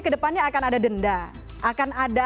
kedepannya akan ada denda akan ada